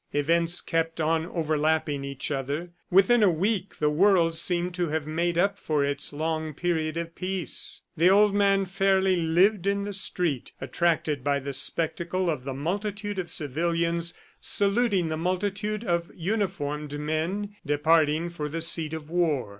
Events kept on overlapping each other; within a week the world seemed to have made up for its long period of peace. The old man fairly lived in the street, attracted by the spectacle of the multitude of civilians saluting the multitude of uniformed men departing for the seat of war.